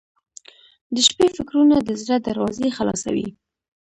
• د شپې فکرونه د زړه دروازې خلاصوي.